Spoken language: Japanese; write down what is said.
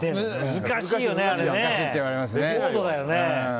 難しいっていわれますよね。